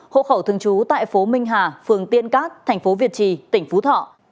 hộ khẩu thương chú tại phố minh hà phường tiên cát tp việt trì tỉnh phú thọ